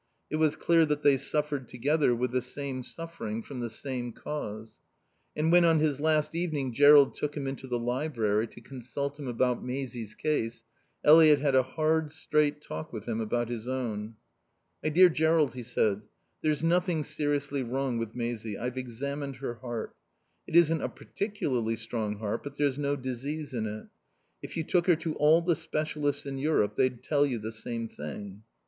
It was clear that they suffered together, with the same suffering, from the same cause. And when on his last evening Jerrold took him into the library to consult him about Maisie's case, Eliot had a hard, straight talk with him about his own. "My dear Jerrold," he said, "there's nothing seriously wrong with Maisie. I've examined her heart. It isn't a particularly strong heart, but there's no disease in it. If you took her to all the specialists in Europe they'd tell you the same thing."